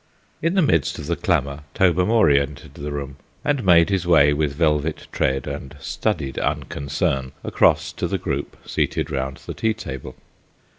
In the midst of the clamour Tobermory entered the room and made his way with velvet tread and studied unconcern across to the group seated round the tea table.